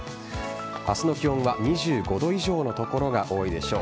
明日の気温は２５度以上の所が多いでしょう。